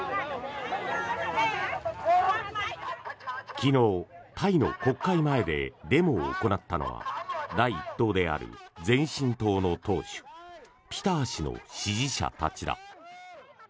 昨日、タイの国会前でデモを行ったのは第１党である前進党の党首ピター氏の支持者たちだ。